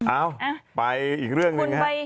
อ้าวไปอีกเรื่องหนึ่งนะ